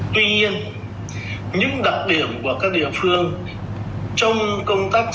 tuy nhiên những đặc điểm của các địa phương trong công tác